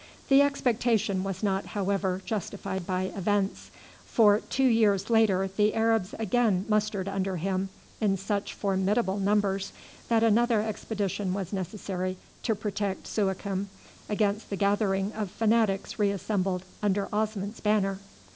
The expectation was not, however, justified by events, for two years later the Arabs again mustered under him in such formidable numbers, that another expedition was necessary to protect Suakim against the gathering of fanatics reassembled under Osman's banner.